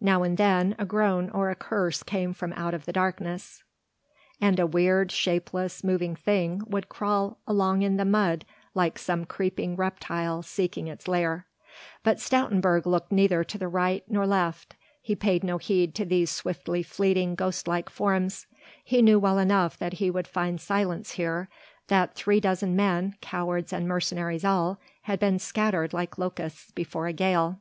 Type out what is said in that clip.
Now and then a groan or a curse came from out the darkness, and a weird, shapeless, moving thing would crawl along in the mud like some creeping reptile seeking its lair. But Stoutenburg looked neither to right nor left. He paid no heed to these swiftly fleeting ghostlike forms. He knew well enough that he would find silence here, that three dozen men cowards and mercenaries all had been scattered like locusts before a gale.